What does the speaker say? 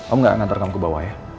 om gak ngantar kamu ke bawah ya